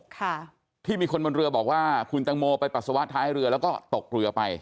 ค่ะที่มีคนบนเรือบอกว่าคุณตังโมไปปัสสาวะท้ายเรือแล้วก็ตกเรือไป